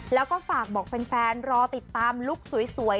แล้วก็ฝากบอกแฟนรอติดตามลุคสวย